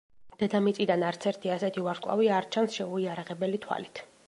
დედამიწიდან არც ერთი ასეთი ვარსკვლავი არ ჩანს შეუიარაღებელი თვალით.